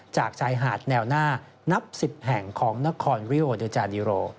จากชายหาดแนวหน้านับ๑๐แห่งของนครริโอเดอร์จานิโร